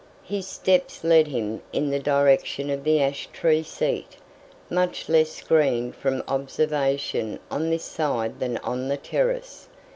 His steps led him in the direction of the ash tree seat, much less screened from observation on this side than on the terrace.